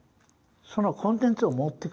そのコンテンツを持ってく。